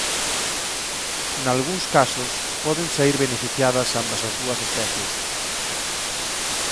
Nalgúns casos poden saír beneficiadas ambas as dúas especies.